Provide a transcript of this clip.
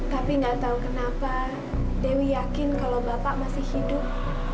tapi nggak tahu kenapa dewi yakin kalau bapak masih hidup